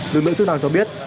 đường lượng trước nào cho biết